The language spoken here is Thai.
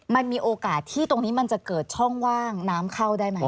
มันมีโอกาสที่ตรงนี้มันจะเกิดช่องว่างน้ำเข้าได้ไหม